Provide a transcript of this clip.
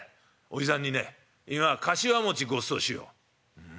「おじさんにね今柏餅ごちそうしよう」。